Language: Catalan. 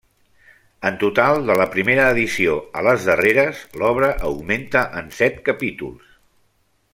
En total, de la primera edició a les darreres, l'obra augmenta en set capítols.